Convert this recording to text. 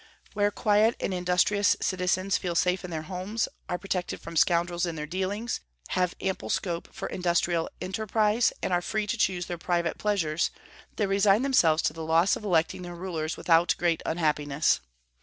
Where quiet and industrious citizens feel safe in their homes, are protected from scoundrels in their dealings, have ample scope for industrial enterprise, and are free to choose their private pleasures, they resign themselves to the loss of electing their rulers without great unhappiness.